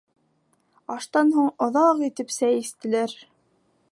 Аштан һуң оҙаҡ итеп сәй эстеләр.